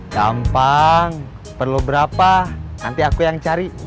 gampang perlu berapa nanti aku yang cari